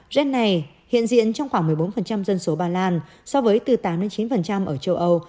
gen này hiện diện trong khoảng một mươi bốn dân số ba lan so với từ tám chín ở châu âu